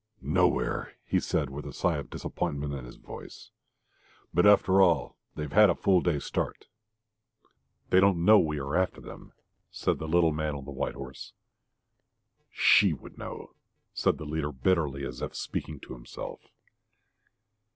"Nowhere," he said, with a sigh of disappointment in his voice. "But after all, they had a full day's start." "They don't know we are after them," said the little man on the white horse. "SHE would know," said the leader bitterly, as if speaking to himself.